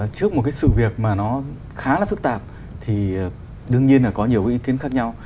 trước một sự việc khá là phức tạp thì đương nhiên là có nhiều ý kiến khác nhau